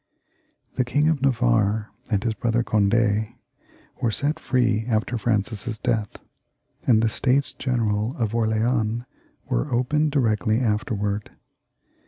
The King of Navarre and his brother Cond^ were set free after Francis's death, and the States General of Orleans were opened directly afterwards.